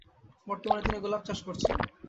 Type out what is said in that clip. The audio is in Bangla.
বর্তমানে তিনি গোলাপ চাষ করছেন।